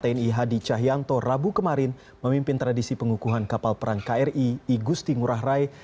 tni hadi cahyanto rabu kemarin memimpin tradisi pengukuhan kapal perang kri igusti ngurah rai